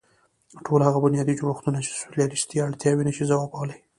ټول هغه بنیادي جوړښتونه چې سوسیالېستي اړتیاوې نه شي ځوابولی.